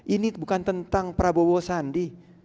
ini bukan tentang prabowo sandi